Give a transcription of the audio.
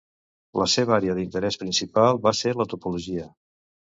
La seva àrea d'interès principal va ser la topologia.